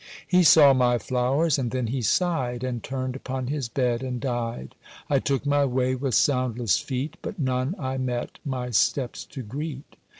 He saw my flowers, and then he sighed, And turned upon his bed and died. I took my way with soundless feet, But none I met my steps to greet.